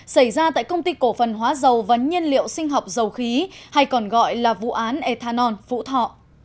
xảy ra tại công ty cổ phần hóa dầu và nhiên liệu sinh học dầu khí hay còn gọi là vụ án ethanol phú thọ